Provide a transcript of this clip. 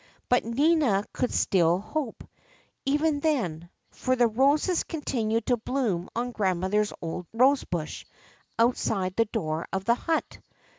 But Nina could still hope, even then ; for the roses continued to bloom on grandmother's old rosebush out side the door of the hut.